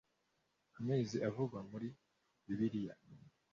amezi avugwa muri Bibiliya